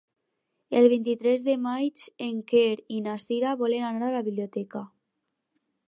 El vint-i-tres de maig en Quer i na Cira volen anar a la biblioteca.